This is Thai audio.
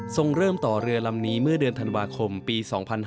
เริ่มต่อเรือลำนี้เมื่อเดือนธันวาคมปี๒๕๕๙